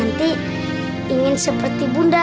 nanti ingin seperti bunda